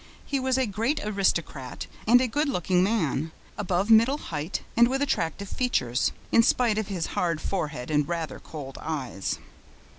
He was a great aristocrat and a good looking man, above middle height and with attractive features, in spite of his hard forehead and his rather cold eyes.